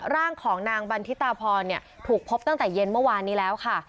ร่างของนางบันทิตาพรถูกพบตั้งแต่เย็นเมื่อวานนี้แล้วค่ะ